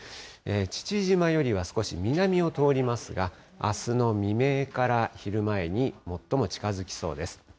父島よりは少し南を通りますが、あすの未明から昼前に最も近づきそうです。